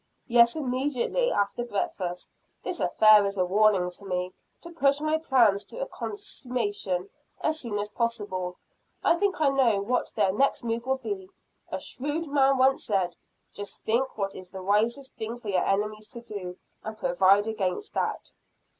"Yes, immediately after breakfast. This affair is a warning to me, to push my plans to a consummation as soon as possible. I think I know what their next move will be a shrewd man once said, just think what is the wisest thing for your enemies to do, and provide against that."